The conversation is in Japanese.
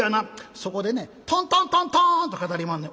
そこでねトントントントンッと語りまんねん。